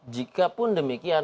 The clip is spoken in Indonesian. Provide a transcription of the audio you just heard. jika pun demikian